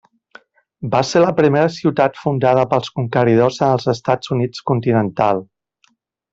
Va ser la primera ciutat fundada pels conqueridors en els Estats Units continental.